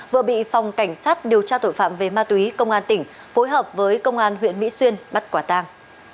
vừa bị phòng cảnh sát điều tra tội phạm về ma túy công an tỉnh phối hợp với công an huyện mỹ xuyên bắt quả tang